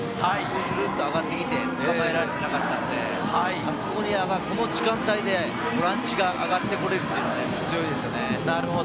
スルスルと上がってきて、捕まえられていなかったので、この時間帯でボランチが上がってこられるというのが強いですね。